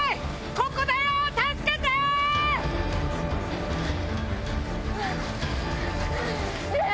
ここだよ助けて！ねぇ！